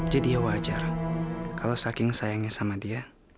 jadi ya wajar kalau saking sayangnya sama dia